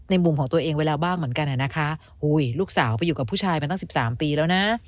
มุมของตัวเองไว้แล้วบ้างเหมือนกันนะคะอุ้ยลูกสาวไปอยู่กับผู้ชายมาตั้ง๑๓ปีแล้วนะ